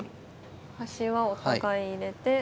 端はお互い入れて。